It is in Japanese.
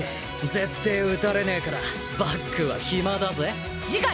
絶対打たれねえからバックは暇だぜ？